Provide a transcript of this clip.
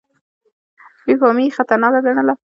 بې پامي یې خطرناکه ګڼله.